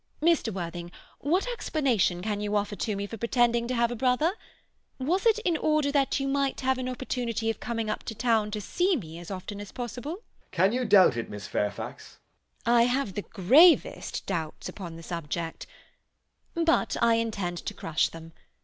Mr. Worthing, what explanation can you offer to me for pretending to have a brother? Was it in order that you might have an opportunity of coming up to town to see me as often as possible? JACK. Can you doubt it, Miss Fairfax? GWENDOLEN. I have the gravest doubts upon the subject. But I intend to crush them.